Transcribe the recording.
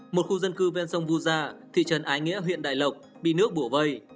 một khu dân cư ven sông vu gia thị trấn ái nghĩa huyện đại lộc bị nước bổ vây